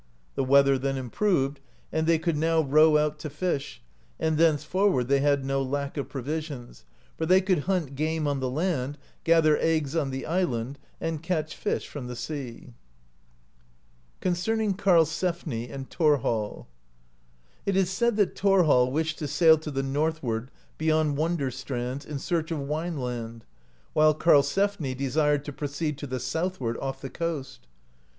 The weather then improved, and they could now row out to fish, and thenceforward they had no lack of provisions, for they could hunt game on the land, gather eggs on the island, and catch fish from the sea. CONCERNING KARLSEFNI AND THORHALL. It is said that Thorhall wished to sail to the northward beyond Wonder strands, in search of Wineland, while Karlsefni desired to proceed to the southward, off the coast.